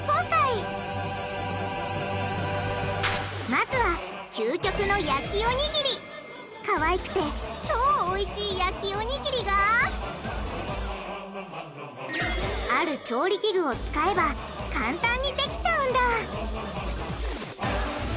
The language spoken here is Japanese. まずはかわいくて超おいしい焼きおにぎりがある調理器具を使えば簡単にできちゃうんだ！